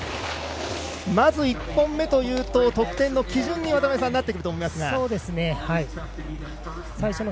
まず１本目というと得点の基準になってくると思いますが、渡辺さん。